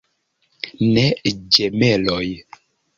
Ne ĝemeloj.